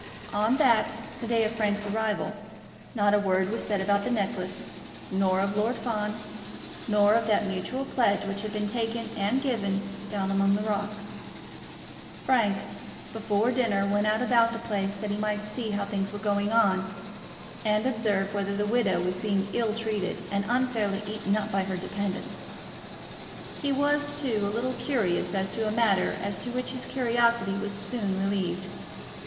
On that, the day of Frank's arrival, not a word was said about the necklace, nor of Lord Fawn, nor of that mutual pledge which had been taken and given down among the rocks. Frank, before dinner, went out about the place, that he might see how things were going on, and observe whether the widow was being ill treated and unfairly eaten up by her dependants. He was, too, a little curious as to a matter as to which his curiosity was soon relieved.